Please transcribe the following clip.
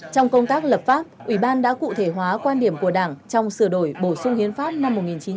trong công tác lập pháp ủy ban đã cụ thể hóa quan điểm của đảng trong sửa đổi bổ sung hiến pháp năm một nghìn chín trăm chín mươi hai hai nghìn một mươi ba